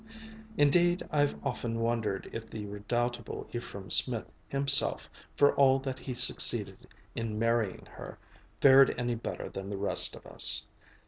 Indeed, I've often wondered if the redoubtable Ephraim Smith himself, for all that he succeeded in marrying her, fared any better than the rest of us.